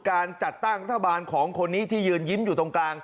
การจัดตั้งรัฐบาลของคนนี้ที่ยืนยิ้มอยู่ตรงกลาง